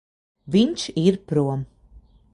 Viņš ir prom.